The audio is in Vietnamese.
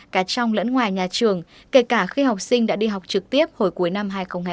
cả trong lẫn ngoài nhà trường kể cả khi học sinh đã đi học trực tiếp hồi cuối năm hai nghìn hai mươi